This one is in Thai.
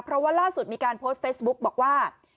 เพราะว่าล่าสุดมีการโพสต์เฟซบุ๊กบอกว่า